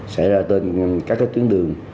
sẽ ra tên các cái tuyến đường